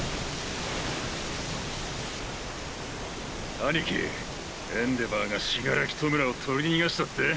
兄貴エンデヴァーが死柄木弔を取り逃がしたって？